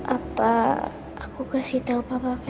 apa aku kasih tau papa vero